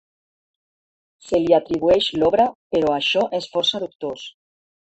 Se li atribueix l'obra però això és força dubtós.